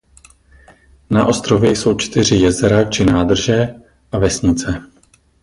Na ostrově jsou čtyři jezera či nádrže a vesnice.